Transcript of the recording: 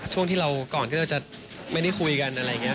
ช่วงที่เราก่อนก็จะไม่ได้คุยกันอะไรอย่างเงี้ย